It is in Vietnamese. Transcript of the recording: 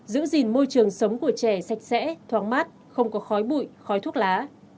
giữ gìn môi trường sống của trẻ sạch sẽ thoáng mát không có khói bụi khói thuốc lá